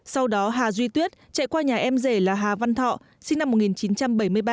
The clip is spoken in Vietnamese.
sau đó hà duy tuyết chạy qua nhà em rể là hà văn thọ sinh năm một nghìn chín trăm bảy mươi ba